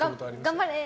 が、頑張れ！